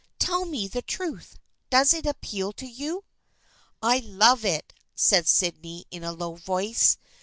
" Tell me the truth. Does it appeal to you ?"" I love it," said Sydney in a low voice.